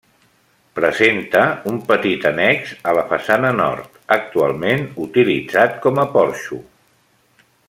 Presenta un petit annex a la façana nord, actualment utilitzat com a porxo.